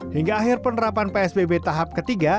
hingga akhir penerapan psbb tahap ketiga